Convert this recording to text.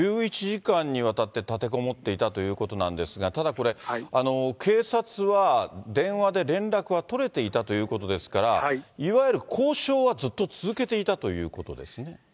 １１時間にわたって立てこもっていたということなんですが、ただこれ、警察は電話で連絡は取れていたということですから、いわゆる交渉はずっと続けていたということですね。